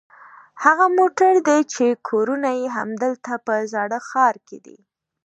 هغه موټر دي چې کورونه یې همدلته په زاړه ښار کې دي.